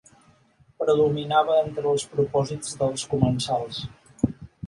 Predominava entre els propòsits dels comensals.